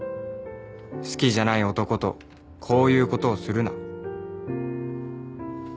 好きじゃない男とこういうことをするな」。